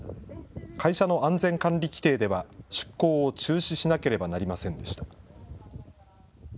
会社の安全管理規程では、出航を中止しなければなりませんでした。